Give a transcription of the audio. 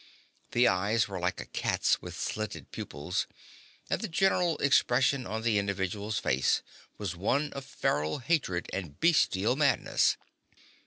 The eyes were like a cat's, with slitted pupils, and the general expression on the individual's face was one of feral hatred and bestial madness.